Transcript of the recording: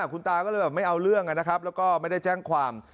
คุณตาก็เลยไม่เอาเรื่องแล้วก็ไม่ได้แจ้งความ